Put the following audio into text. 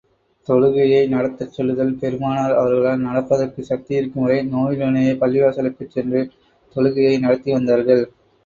தொழுகையை நடத்தச் சொல்லுதல் பெருமானார் அவர்களால் நடப்பதற்குச் சக்தியிருக்கும் வரை, நோயுடனேயே பள்ளிவாசலுக்குச் சென்று தொழுகையை நடத்தி வந்தார்கள்.